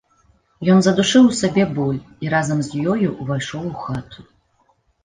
Ён задушыў у сабе боль і разам з ёю ўвайшоў у хату.